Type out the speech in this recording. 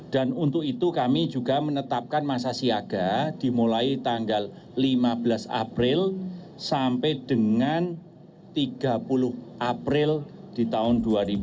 dan untuk itu kami juga menetapkan masa siaga dimulai tanggal lima belas april sampai dengan tiga puluh april di tahun dua ribu dua puluh tiga